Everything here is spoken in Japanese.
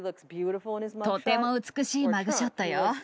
とても美しいマグショットよ。